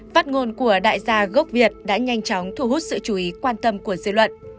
phát ngôn của đại gia gốc việt đã nhanh chóng thu hút sự chú ý quan tâm của dư luận